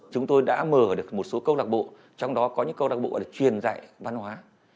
chúng tôi đã mở được một số câu lạc bộ trong đó có những câu lạc bộ để truyền dạy văn hóa